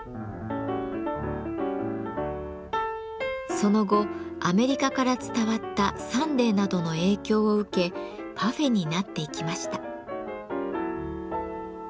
その後アメリカから伝わった「サンデー」などの影響を受け「パフェ」になっていきました。